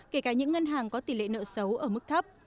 kể cả những ngân hàng có tỷ lệ nợ xấu ở mức thấp